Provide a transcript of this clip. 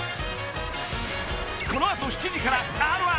「このあと７時からＲ−１！